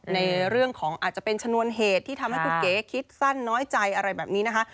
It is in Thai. ในเรื่องของอาจจะเป็นชนวนเหตุที่ทำให้คุณเก๋คิดสั้นน้อยใจอะไรแบบนี้นะคะ